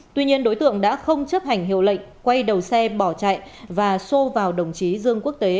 tuy nhiên đối tượng đã không chấp hành hiệu lệnh quay đầu xe bỏ chạy và xô vào đồng chí dương quốc tế